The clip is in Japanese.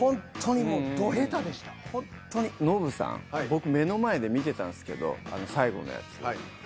ノブさん僕目の前で見てたんすけど最後のやつ。